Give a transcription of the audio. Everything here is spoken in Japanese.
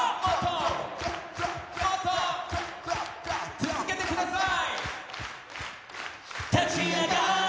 続けてください！